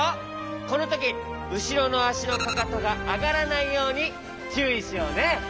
このときうしろのあしのかかとがあがらないようにちゅういしようね！